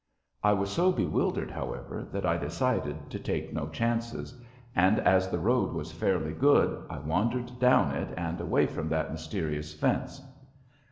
I was so bewildered, however, that I decided to take no chances, and as the road was fairly good I wandered down it and away from that mysterious fence.